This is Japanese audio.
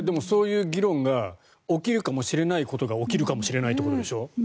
そういう議論が起きるかもしれないということが起きるかもしれないってことでしょ